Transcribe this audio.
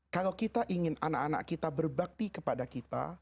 kalau kita ingin anak anak kita berbakti kepada kita